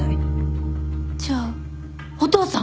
じゃあお父さん？